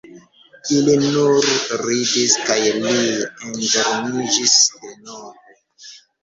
Ili nur ridis, kaj li endormiĝis denove.